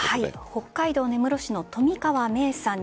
北海道根室市の冨川芽生さん